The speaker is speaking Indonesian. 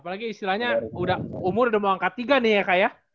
apalagi istilahnya umur udah mau angkat tiga nih ya kak ya